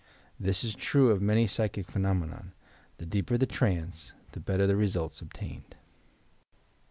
This is true of many psychic phe nomena: the deeper the trance, the better the results ob tained.